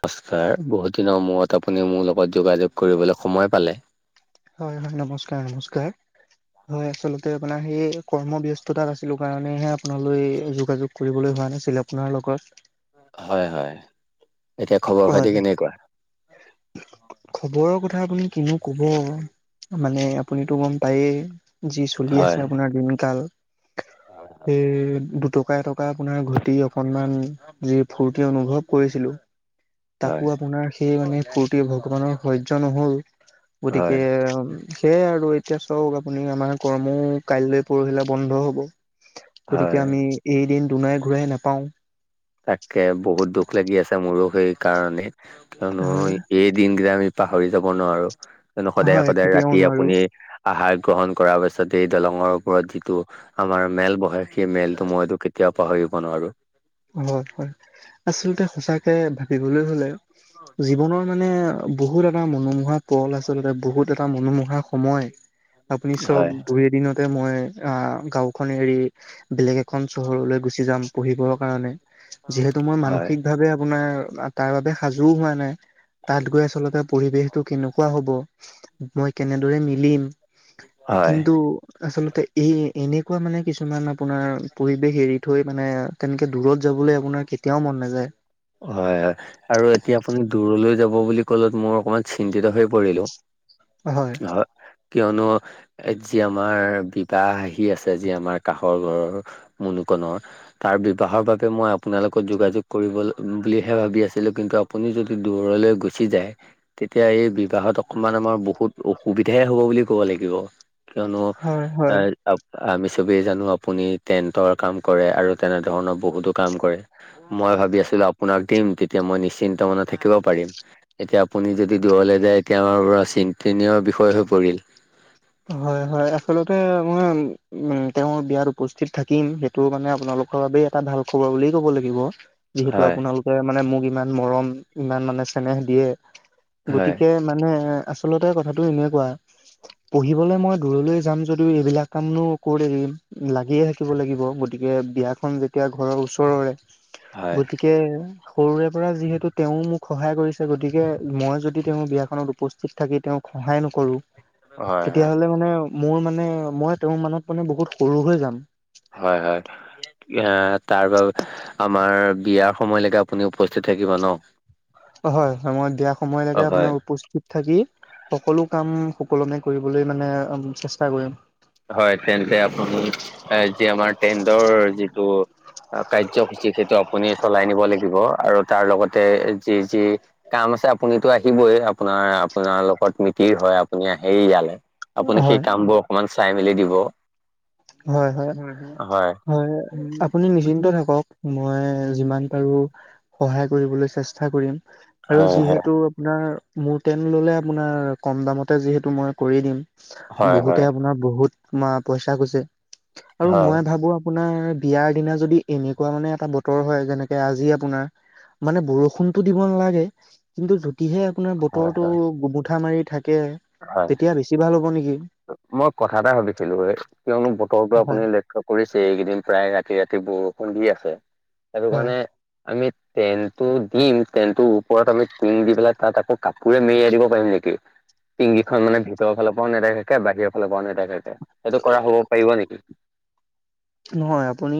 নমস্কাৰ বহুত দিনৰ মূৰত আপুনি মোৰ লগত যোগাযোগ কৰিবলৈ সময় পালে হয় হয় নমস্কাৰ নমস্কাৰ হয় আচল্ততে আপোনাৰ সেই কৰ্মব্স্তত আছিলো কাৰণেহে আপোনালৈ যোগাযোগ কৰিবলৈ হোৱা নাছিল আপোনাৰ লগত হয় হয় এতিয়া খবৰ খাতি হয় কেনেকুৱা [inaudible] খবৰৰ কথা আপুনি কিনো কব মানে আপুনিতো গম পায়েই যি চলি আছে হয় আপোনাৰ দিনকাল সেই দুটকা এট থকা আপোনাৰ ঘটি অকনমান যি ফৰ্তি অনুভৱ কৰিছিলো হয় তাকো আপোনাৰ সেই মানে ফূুৰ্তি ভগৱানৰ সহ্য নহল হয় গতিকে সেয়াই আৰু এতিয়া চাওক আপুনি আমাৰ কৰ্মো কাইলৈ পৰহিলা বন্ধ হ'ব হয় গতিকে আমি এইদিন দুনাই ঘূৰাই নাপাও তাকে বহুত দুখ লাগি আছে মোৰো সেই কাৰণে কিয়নো হয় এই দিনকেইটা আমি পাহৰি যাব নোৱাৰো সদায় হয় সদায় কেতিয়াও ৰাতি নোৱাৰো। আপুনি আহাৰ গ্ৰহণ কৰাৰ পাছতেই দলংঙৰ ওপৰত যিটো আমাৰ মেল বহে সেই মেলটো মইটো কে তিয়াও পাহৰিব নোৱাৰো হয় হয় আচলতে সচাকে ভাবিবলৈ হলে জীৱনৰ মানে বহুত এটা মনোমোহা পল আচলতে বহুত এটা মনোমোহা সময় আপুনি চক হয় দুই-এদিনতে মই আ গাওঁখন এৰি বেলেগ এখন চহৰলৈ গুচি যাম পঢ়িবৰ কাৰণে যিহেতু মই হয় মানসিকভাৱে আপোনাৰ তাৰ বাবে সাজু হোৱা নাই তাত গৈ আচলতে পৰিৱেশ টো কেনেকুৱা হ'ব, মই কেনেদৰে মিলিম, হয় কিন্তু আচলতে এই এনেকুৱা মানে কিছুমান আপোনাৰ পৰিৱেশ এৰি থৈ মানে তেনেকে দূৰত যাবলৈ আপোনাৰ কেতিয়াও মন নাযায় হয় হয় আৰু এতিয়া আপুনি দূৰলৈ যাব বুলি ক'লত মোৰ অকমান চিন্তিত হৈ পৰিলো হয় কিয়নো এজে আমাৰ বিবাহ আহি আছে আজি আমাৰ কাষৰ ঘৰ মুনুকনৰ তাৰ বিবাহৰ বাবে মই আপোনালোকক যোগাযোগ কৰিব বুলিহে ভাবি আছিলোঁ কিন্তু আপুনি যদি দূৰলে গুচি যায় তেতিয়া এই বিবাহত অকনমান আমাৰ বহুত অসুবিধাই হ'ব বুলি ক'ব লাগিব কিয়নো হয় এ হয় আ আমি চবেই জানোঁ আপুনি টেন্টৰ কাম কৰে আৰু তেনে ধৰণৰ বহুতো কাম কৰে মই ভাবি আছিলো আপোনাক দিম তেতিয়া মই নিশ্চিন্ত মানে থাকিব পাৰিম এতিয়া আপুনি যদি দূৰলৈ যায় এতিয়া আমাৰ পোৰা চিন্তনীয় বিষয় হৈ পৰিল হয় হয় আচলতে মই উ তেওঁৰ বিয়াত উপস্থিত থাকিম সেইটো মানে আপোনালোকৰ বাবেই এটা ভাল খবৰ বুলি ক'ব লাগিব যিহেতু হয়, আপোনালোকে মানে মোক ইমান মৰম, ইমান মানে চেনেহ দিয়ে হয়, গতিকে মানে আচলতে কথাটো এনেকুৱা পঢ়িবলে মই দূৰলৈ যাম যদিও এইবিলাক কামনো ক'ত এৰিম লাগিয়ে থাকিব লাগিব গতিকে বিয়াখন যেতিয়া ঘৰৰ ওচৰৰে হয়, গতিকে সৰুৰে পৰা যিহেতু তেওঁ মোক সহায় কৰিছে গতিকে মই যদি তেওঁ বিয়াখনত উপস্থিত থাকি তেওঁক সহায় নকৰোঁ হয়, হয়। তেতিয়াহ'লে মানে মোৰ মানে মই তেওঁৰ মনত মানে বহুত সৰু হৈ যাম হয় হয় এ তাৰ বা আমাৰ বিয়াৰ সময়লৈকে মানে উপস্থিত থাকিব ন? হয় মই দিয়া সময়লৈকে অ', হয়। আপোনাৰ উপস্থিত থাকি সকলো কাম সুকলমে কৰিবলৈ মানে চেষ্টা কৰিম হয় তেন্তে আপুনি যি আমাৰ টেণ্ডৰ যিটো কাৰ্যসূচী সেইটো আপুনি চলাই নিব লাগিব আৰু তাৰ লগতে যি যি কাম আছে আপুনিতো আহিবই আপোনাৰ আপোনাৰ লগত মিতিৰ হয় আপুনি আহেই ইয়ালে আপুনি সেই হয় কামবোৰ অকমান চাই মেলি দিব হয় হয় হয় আপুনি নিশ্চিন্ত থাকক মই যিমান পাৰো সহায় কৰিবলৈ চেষ্টা কৰিম আৰু হয় যিহেতু আপোনাৰ মোৰ টেন ল'লে আপোনাৰ কম দামতে যিহেতু মই কৰি দিম হয় হয় বহুতে আপোনাৰ বহুত মা পইচা গৈছে হয় আৰু হয় মই ভাবো আপোনাৰ বিয়াৰ দিনা যদি এনেকুৱা মানে এটা বতৰ হয় যেনেকে আজি আপোনাৰ মানে বৰষুণটো দিব নালাগে কিন্তু যদিহে আপোনাৰ হয় বতৰটো গোমুঠা মাৰি থাকে হয় তেতিয়া বেছি ভাল হ'ব নেকি মই কথা এটা ভাবিছিলো এ কিয়নো বতৰটো হয় আপুনি লক্ষ্য কৰিছে এইকেইদিন প্ৰায় ৰাতি ৰাতি বৰষুণ দি আছে সেইটো হয় কাৰণে আমি টেনটো দিম টেনটো ওপৰত আমি টিং দি পেলাই তাত আকৌ কাপোৰে মেৰিয়াই দিব পাৰিম নেকি? টিংগিখন মানে ভিতৰ ফালৰ পৰাও নেদেখাকে বাহিৰৰ ফালৰ পৰাও নেদেখাকে সেইটো কৰা হব পৰিব নেকি? নহয় আপুনি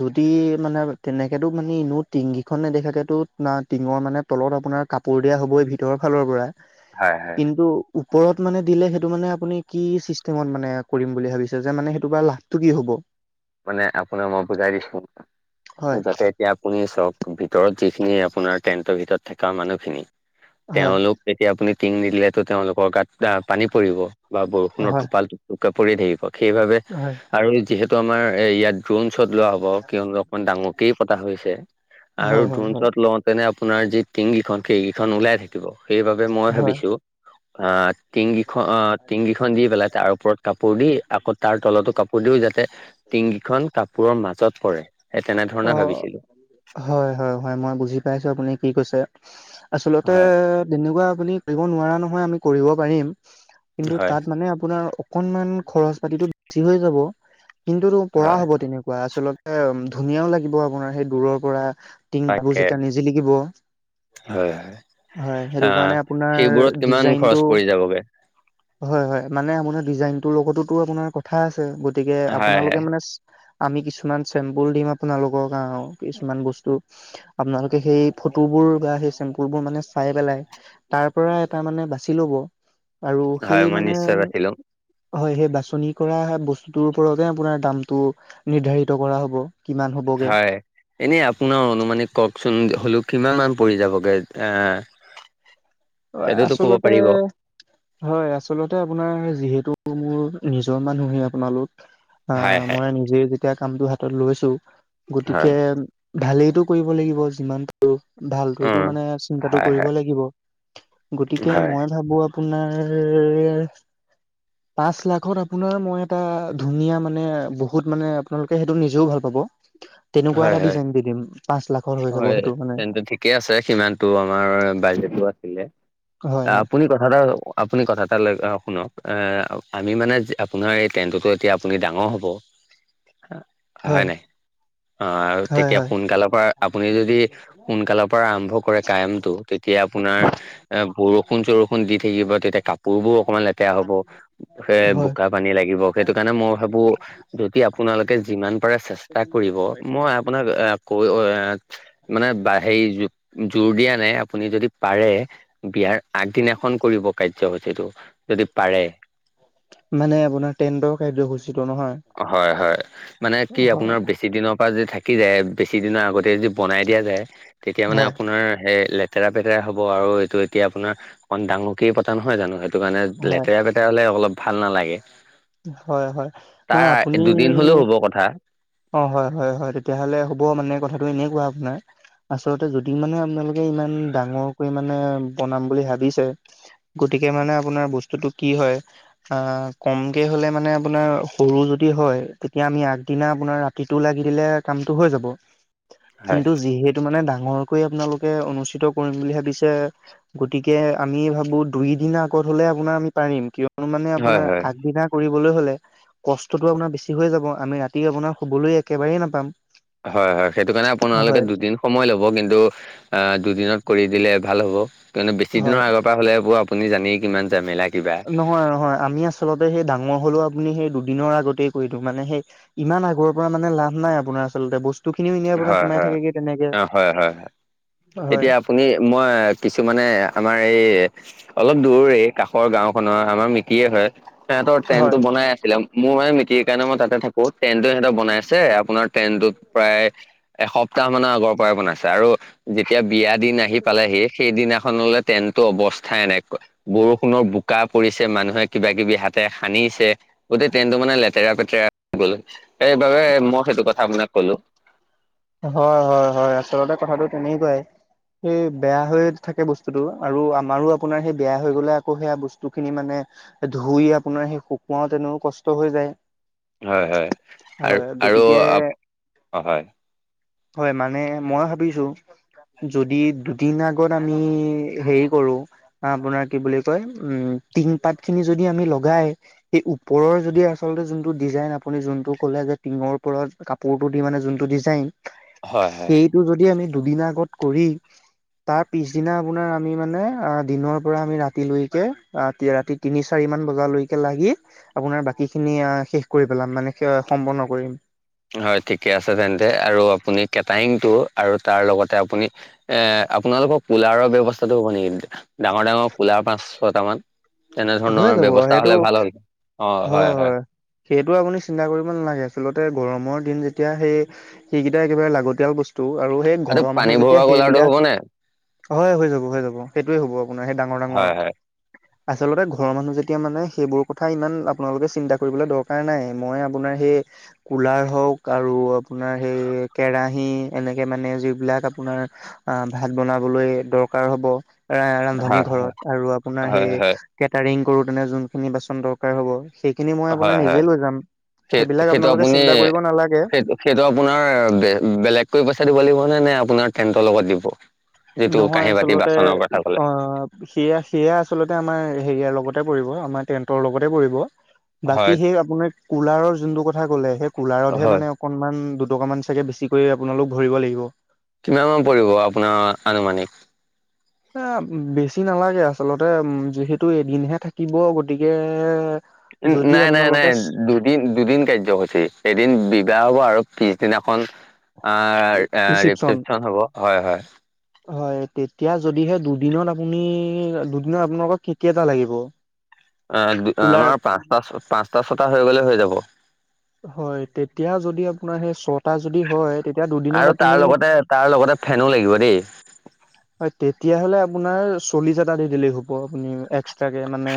যদি মানে তেনেকেতো মানে ইনেও টিঙগিখন নেদেখাকেতো না টিঙৰ মানে তলত আপোনাৰ কাপোৰ দিয়া হ'বই ভিতৰৰ ফালৰ পৰা হয় হয় কিন্তু ওপৰত মানে দিলে সেইটো মানে আপুনি কি চিষ্টেমত মানে কৰিম বুলি ভাবিছে যে মানে সেইটো বা লাভটো কি হ'ব? মানে আপোনাৰ মই বুজাই দিছো হয় যাতে এতিয়া আপুনি চাওক ভিতৰত যিখিনি আপোনাৰ টেন্টৰ ভিতৰত থকা মানুহখিনি হয়, তেওঁলোক যেতিয়া আপুনি টিং নিদিলেতো তেওঁলোকৰ গাত আ, পানী পৰিব বা হয়, বৰষুণৰ হয়, টোপাল কাপুৰে থাকিব সেইবাবে আৰু যিহেতু আমাৰ এ ইয়াত ড্ৰন শ্বত লোৱা হ'ব কিয়নো অকমান ডাঙৰক পতা হৈছে হয়, আৰু হয়, হয়, ড্ৰন হয়। শ্বত ল নে আপোনাৰ যি টিঙগিখন সেইকেইখন ওলাই থাকিব সেইবাবে মই ভাবিছোঁ আ, টিংগিখন অ', টিঙগিখন দি পেলাই তাৰ ওপৰত কাপোৰ দি আকৌ তাৰ তলতো কাপোৰ দিও যাতে টিঙগিখন কাপোৰৰ মাজত পৰে সেই তেনেধৰণে অ', ভাবিছিলোঁ হয় - হয় - হয়, মই বুজি পাইছো আপুনি কি কৈছে আচলতে হয় তেনেকুৱা আপুনি কৰিব নোৱাৰা নহয় আমি কৰিব পাৰিম। কিন্তু হয় তাত মানে আপোনাৰ অকনমান খৰচ পাতিটো বেছি হৈ যাব। কিন্তুতো পঢ়া হয় হ'ব তেনেকুৱা আচলতে ধুনীয়াও লাগিব আপোনাৰ সেই দূৰৰ পৰা টিং বু তাকে যেতিয়া নিজি লিগিব হয় হয় হয়, সেইটো আহ কাৰণে আপোনাৰ সেইবোৰত কিমান ডিজাইনটো খৰচ পৰি যাবগে হয় - হয়, মানে আপোনাৰ ডিজাইনটোৰ লগতোতো আপোনাৰ কথা আছে গতিকে হয় আপোনালোকে হয় মানে আমি কিছুমান চেম্পুল দিম আপোনালোকক আৰু কিছুমান বস্তু আপোনালোকে সেই ফটোবোৰ বা সেই চেম্পুল বোৰ মানে চাই পেলাই তাৰ পৰা এটা মানে বাচি ল'ব আৰু হয় সেই মই মানে নিশ্চয় বাছি লম হয় সেই বাচনি কৰা বস্তুটোৰ ওপৰতে আপোনাৰ দামটো নিৰ্ধাৰিত কৰা হ'ব। কিমান হ'বগে এনে আপোনাৰ অনুমানিক কওকচোন হ'লেও কিমান মান পৰি যাবগে আ? অ', আচলতে হয়, আচলতে আপোনাৰ যিহেতু মোৰ নিজৰ মানুহে আপোনালোক আ, হয় হয় মই নিজে যেতিয়া কামটো হাতত লৈছো হয় গতিকে ভালেইটো কৰিব লাগিব যিমান কৰো অ ভালটোয়েটো মানে চিন্তাটো হয় হয় কৰিব লাগিব গতিকে হয় মই ভাবো আপোনাৰ পাঁচ লাখত আপোনাৰ মই এটা ধুনীয়া মানে বহুত মানে আপোনালোকে সেইটো নিজেও ভাল পাব তেনেকুৱা হয় এটা হয় ডিজাইন দি দিম পাঁচ লাখৰ হৈ যাব সেইটো মানে কে আছে সিমানটো আমাৰ বাইজেটো আছিলে হয় হয় আপুনি কথা এটা আপুনি কথা এটা লৈ শুনক এ আমি মানে আপোনাৰ এই টেনতো এতিয়া আপুনি ডাঙৰ হ'ব হয় নাই? অ', আৰু হয় তেতিয়া হয় সোনকালৰ পৰা আপুনি যদি সোনকালৰ পৰা আৰম্ভ কৰে কায়মটো তেতিয়া আপোনাৰ এ বৰষুণ চৰষুণ দি থাকিব তেতিয়া কাপোৰ বোৰ অকমান লেতেৰা হ'ব এ হয় বোকা পানী লাগিব সেইটো কাৰণে মই ভাবো যদি আপোনালোকে যিমান পাৰে চেষ্টা কৰিব, মই আপোনাক কৈ, মানে বাই সেই জো-জোৰ দিয়া নাই, আপুনি যদি পাৰে বিয়াৰ আগদিনাখন কৰিব কাৰ্যসূচীটো, যদি পাৰে। মানে আপোনাৰ টেণ্টৰ কাৰ্যসূচীটো নহয়? হয় হয়, মানে কি হয় আপোনাৰ বে বেছি দিনৰ পৰা যদি থাকি যায়, বেছি দিনৰ আগতে যদি বনাই দিয়া যায়, তেতিয়া মানে হয় আপোনাৰ সেই লেট লেতেৰা পেতেৰা হ'ব, আৰু এইটো এতিয়া আপোনাৰ অকণ ডাঙৰকেই পতা নহয় জানো, সেইটো কাৰণে হয় লেতেৰা পেতেৰা তেৰা হ'লে অলপ ভাল নালাগে। হয় হয়, তাৰ নহয় আপুনি দুদিন হলেও হ'ব কথা অ হয় হয় হয় তেতিয়া হ'লে হ'ব মানে কথাটো এনেকোৱা আপোনাৰ আচলতে যদি মানে আপোনালোকে ইমান ডাঙৰকৈ মানে বনাম বুলি ভাবিছে গতিকে মানে আপোনাৰ বস্তুতটো কি হয় আহ কমকে হলে মানে আপোনাৰ সৰু যদি হয় তেতিয়া আমি আগদিনা আপোনাৰ ৰাতিটো লাগিলে কমটো হৈ যাব হয় কিন্তু যিহে এইটো মানে ডাঙৰকৈ আপোনালোকে অনুষ্ঠিত কৰিম বুলি ভাবিছে গতিকে, আমি ভাবো দুই দিনা আগত হ'লে আপোনাৰ আমি পাৰিম, কিয় মানে হয় আপোনাৰ, হয় আগদিনা কৰিবলৈ হ'লে, কষ্টটো আপোনাৰ বেছি হৈ যাব, আমি ৰাতি আপোনাৰ শুবলৈ একেবাৰেই নাপাম। হয় হয়, সেইটো কাৰণে আপোনালোকে হয় দুদিন সময় ল'ব, কিন্তু অ', দুদিনত কৰি দিলে ভাল হ'ব, কিন্তু বেছি দিনৰ হয় আগৰ পৰা হ'লে এইবোৰ আপোনাৰ আপুনি জানেই কিমান যামেলা নহয় নহয়, আমি আচলতে সেই ডাঙৰ হ'লেও আপুনি সেই দুদিনৰ আগতেই কৰি দিওঁ, মানে সেই ইমান আগৰ পৰা মানে লাভ নাই আপোনাৰ আচলতে, বস্তু টো খিনিও এনেই আপোনাৰ হয় সোমাই হয় থাকেগে তেনেকে, অ হয় হয় হয়। এতিয়া আপুনি মই কিছুমানে আমাৰ এই অলপ দূৰৰে, কাষৰ গাঁওখনৰে হয়, আমাৰ মিটিৰেই হয়, সিহঁতৰ টেণ্টটো হয় বনাই আছিলে মোৰে মিটিৰ কাৰণে মই তাতে থাকো, টেন্টটো সিহঁতে বনাইছে, আপোনাৰ টেণ্টটো প্ৰায় এসপ্তাহ মানৰ আগৰ পৰাই বনাইছে আৰু যেতিয়া বিয়া দিন আহি পালেহি, সেইদিনাখনলে টেণ্টটো অৱস্থাই নাই কোৱা। বৰষুণৰ বোকা পৰিছে, মানুহে কিবা কিবি হাতে সানিছে গোটেই টেণ্টটো মানে লেতেৰা পেতেৰা হৈ গ'ল, সেইবাবে মই সেইটো কথা আপোনাক ক'লো। হয় হয় হয়, আচলতে কথাটো তেনেকুৱাই। সেই বেয়া হৈ থাকে বস্তুটো আৰু আমাৰো আপোনাৰ সেই বেয়া হৈ গ'লে আকৌ সেয়া বস্তুখিনি মানে ধুই আপোনাৰ সেই শুকুৱাও তেনেও কষ্ট হৈ যায়। হয় হয়, হয় গতিকে আৰু-আপ অ হয়। হয়, মানে মই ভাবিছো যদি দুদিন আগত আমি হেৰি কৰো আপোনাৰ কি বুলি কয়, উম, টিংপাত খিনি যদি আমি লগাই সেই ওপৰৰ যদি আচলতে যোনটো ডিজাইন আপুনি যোনটো ক'লে যে, টিঙৰ ওপৰত কাপ পোৰটো দি মানে যোনটো ডিজাইন হয় হয়। টো যদি আমি দুদিন আগত কৰি তাৰ পিছদিনা আপোনাৰ আমি মানে, আ দিনৰ পৰা আমি ৰাতিলৈকে, ৰাতি তিনি চাৰি মান বজালৈকে লাগি আপোনাৰ বাকী খিনি আ শেষ কৰি পেলাম, মানে সেয়া সম্পূৰ্ণ কৰিম। হয়, ঠিকে আছে তেন্তে, আৰু আপুনি কেটাৰিংটো আৰু তাৰ লগতে আপুনি এ আপোনালোকৰ কোলাৰৰ ব্যৱস্থাটো হ'ব নেকি? ডাঙৰ ডাঙৰ কোলাৰ পাঁচ, ছটামান হৈ তেনেধৰণৰ যাব ব্যৱস্থা সেইটো হ'লে ভাল হ'ল অঁ, হয় হয়। সেইটো আপুনি চিন্তা কৰিব নালাগে। আচলতে গৰমৰ দিন যেতিয়া সেই সেইকেইটা একেবাৰে লাগতিয়াল বস্তু আৰু সেই এইটো ঘৰৰ পানী মানুহ যেতিয়া ভৰুৱা কুলাৰটো হ'ব নে সেইবিলাক হয়, হৈ যাব, হৈ যাব সেইটোৱে হ'ব আপোনাৰ সেই ডাঙৰ ডাঙৰ হয় হয় আচলতে ঘৰৰ মানুহ যেতিয়া মানে সেইবোৰ কথা ইমান আপোনালোকে চিন্তা কৰিবলে দৰকাৰ নাই। মই আপোনাৰ সেই কোলাৰ হওঁক আৰু আপোনাৰ সেই কেৰাহী এনেকে মানে যিবিলাক আপোনাৰ আ ভাত বনাবলৈ দৰকাৰ হ'ব। ৰা ৰান্ধনী হয় ঘৰত আৰু আপোনাৰ হয় সেই হয় কেটাৰিং কৰোতেনে যোনখিনি বাচন দৰকাৰ হ'ব সেইখিনি মই আপোনাৰ হয় হয় নিজে লৈ যাম। সেই সেইবিলাক সেইটো আপোনালোকে আপুনি চিন্তা কৰিব নালাগে। সেইটো সেইটো আপোনাৰ বে বেলেগকৈ পইচা দিব লাগিব নে? নে আপোনাৰ টেণ্টৰ লগত দিব? যিটো নহয় কাঁহী বাতি আচলতে বাচনৰ কথা ক'লে আঁ সেয়া সেয়া আচলতে আমাৰ হেৰিয়াৰ লগতে পৰিব আমাৰ টেন্ টৰ লগতে পৰিব। বাকী হয় সেই আপোনাৰ কোলাৰৰ যোনটো কথা ক'লে, সেই কোলাৰতহে হয় মানে অকণমান, দুটকামান চাগে বেছিকৈ আপোনালোক ভৰিব লাগিব কিমানমান পৰিব আপোনাৰ আনুমানিক? আঁ বেছি নালাগে। আচলতে উম যিহেতু এদিনহে থাকিব। গতিকে ওঁ যদি নাই, নাই আপোনালোকে নাই। দু দিন দুদিন কাৰ্যসূচী। এদিন বিবাহ হ'ব আৰু পিছদিনাখন আঁ আঁ ৰিচিপচন হ'ব। হয়, হয়। হয়, তেতিয়া যদিহে দুদিনত আপুনি দুদিনত আপোনালোকক কে কেইটা লাগিব? এ--দু এ কুলাৰ আমাৰ পাঁচটা, ছ পাঁচটা, ছটা হৈ গ'লে হৈ যাব। হয়, তেতিয়া যদি আপোনাৰ সেই ছটা যদি হয় তেতিয়া দুদিনত আৰু তাৰ আপুনি লগতে, তাৰ লগতে ফেনো লাগিব দেই। হয়, তেতিয়া হ'লে আপোনাৰ চল্লিশ এটা দি দিলেই হ'ব। আপুনি এক্সট্ৰাকে মানে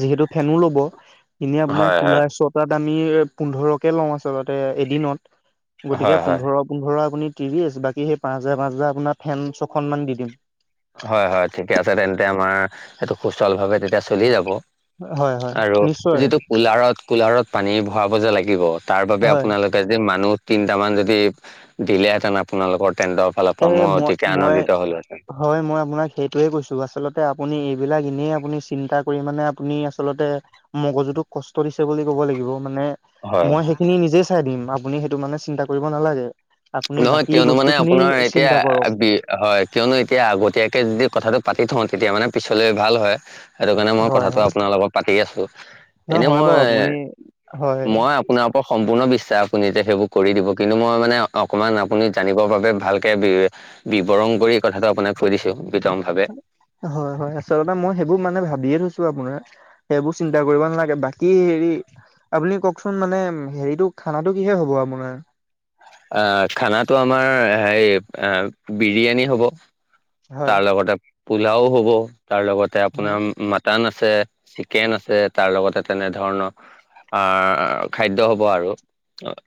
যিহেতু ফেনো ল'ব। এনেই আপোনাৰ হয় হয় কোলাৰ ছটাত আমি পোন্ধৰকে লওঁ আচলতে এদিনত। গতিকে, হয় হয় পোন্ধৰ পোন্ধৰ আপুনি ত্ৰিশ বাকী সেই পাঁচ হাজাৰ, পাঁচ হাজাৰ আপোনাৰ ফেন ছখন মান দি দিম। হয়, হয় ঠিকে আছে তেন্তে। আমাৰ সেইটো সুচল ভাৱে তেতিয়া চলি যাব। হয় হয় আৰু নিশ্চয় যিটো কোলাৰত, কোলাৰত পানী ভৰাব যে লাগিব তাৰ বাবে হয় আপোনালোক কেচ দিম মানুহ তিনটামান যদি দিলে হেঁতেন আপ আপোনালোকৰ টেণ্টৰ ফালৰ এ পৰা মই অতিকে মই আনন্দিত হলোহেঁতেন। হয়, মই আপোনাক সেইটোৱেহে কৈছোঁ। আচলতে আপুনি এইবিলাক এনেই আপুনি চিন্তা কৰি মানে আপুনি আচলতে মগজুটোক কষ্ট দিছে বুলি ক'ব লাগিব। মানে হয় মই সেইখিনি নিজেই চাই দিম। আপুনি সেইটো মানে চিন্তা কৰিব নালাগে। আপুনি বাকী বস্তুখিনি কে আ বি--হয়, কিয়নো এতিয়া আগতীয়াকে যদি কথাটো পাতি থওঁ তেতিয়া মানে পিছলে ভাল হয়। সেইটো কাৰণে মই হয় কথাটো হয় আপোনাৰ লগত পাতি আছোঁ। নহয় এনেই হয় মই, বাৰু আপুনি হয় মই আপোনাক সম্পূৰ্ণ বিশ্বাস আপুনি যে সেইবোৰ কৰি দিব কিন্তু মই মানে অকমান আপুনি জানিবৰ বাবে ভালকে বি বিৱৰণ কৰি কথাটো আপোনাক কৈ দিছো বিতং ভাৱে। হয়, হয় আচলতে মই সেইবোৰ মানে ভাৱিয়ে থৈছো আপোনাৰ সেইবোৰ চিন্তা কৰিব নালাগে। বাকী হেৰি আপুনি কওকচোন মানে হেৰিটো খানাটো কিহে হ'ব আপোনাৰ? আহ খানাটো আমাৰ হেৰী এ বিৰিয়ানী হ'ব। হয় তাৰ লগতে পোলাও হ'ব তাৰ লগতে হয় আপোনাৰ উম মা মাটান আছে চিকেন আছে তাৰ লগতে তেনে ধৰণৰ আহ খাদ্য হ'ব আৰু।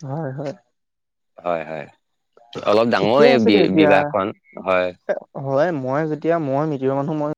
হয় হয়। হয় হয়, অলপ ডাঙৰ ঠিকে এই আছে বি তেতিয়া বিবাহখন হয়। হয় মই যেতিয়া মই মিতিৰ মানুহ মই